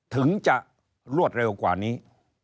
ถึงจะรวดเร็วกว่านี้